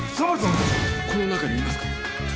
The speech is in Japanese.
この中にいますか？